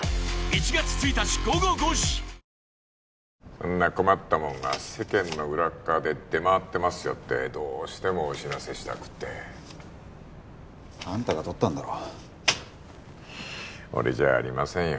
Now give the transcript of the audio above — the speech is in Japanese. そんな困ったもんが世間の裏側で出回ってますよってどうしてもお知らせしたくてあんたが撮ったんだろ俺じゃありませんよ